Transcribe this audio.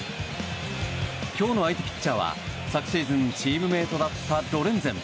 今日の相手ピッチャーは昨シーズンチームメートだったロレンゼン。